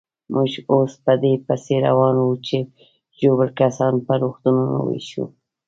موږ اوس په دې پسې روان وو چې ژوبل کسان پر روغتونو وېشو.